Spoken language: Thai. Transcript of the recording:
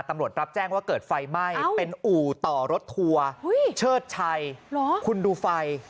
รับแจ้งว่าเกิดไฟไหม้เป็นอู่ต่อรถทัวร์เชิดชัยคุณดูไฟ